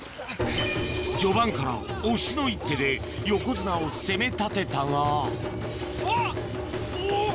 序盤から押しの一手で横綱を攻め立てたがおっ！